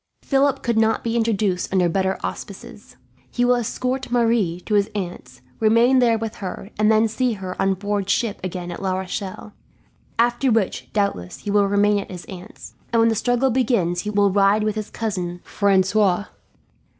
"Philip could not be introduced under better auspices. He will escort Marie to his aunt's, remain there with her, and then see her on board ship again at La Rochelle; after which, doubtless, he will remain at his aunt's, and when the struggle begins will ride with his cousin Francois.